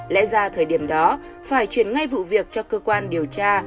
lẽ ra thời điểm đó phải chuyển ngay vụ việc cho cơ quan điều tra